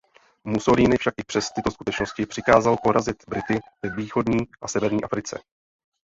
Mussolini však i přes tyto skutečnosti přikázal porazit Brity ve Východní a Severní Africe.